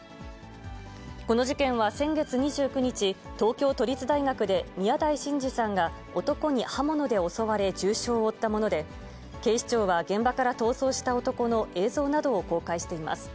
この事件は先月２９日、東京都立大学で宮台真司さんが男に刃物で襲われ、重傷を負ったもので、警視庁は現場から逃走した男の映像などを公開しています。